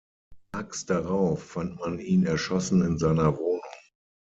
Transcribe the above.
Tags darauf fand man ihn erschossen in seiner Wohnung.